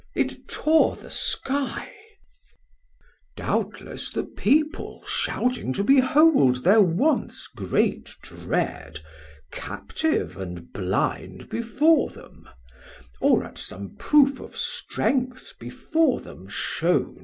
it tore the Skie. Chor: Doubtless the people shouting to behold Thir once great dread, captive, & blind before them, Or at some proof of strength before them shown.